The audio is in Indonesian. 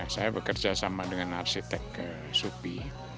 saya bekerja sama dengan arsitek supi